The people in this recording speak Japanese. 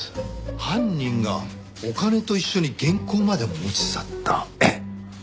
犯人がお金と一緒に原稿までも持ち去った。